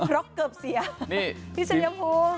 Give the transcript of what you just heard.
ร็อกเกิบเสียพี่เฉยภูมิ